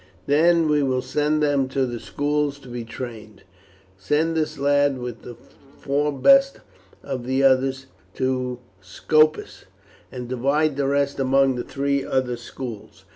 "Then we will send them to the schools to be trained. Send this lad with the four best of the others to Scopus, and divide the rest among three other schools.